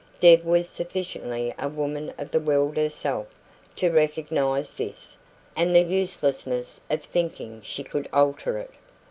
Deb was sufficiently a woman of the world herself to recognise this, and the uselessness of thinking she could alter it.